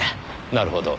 なるほど。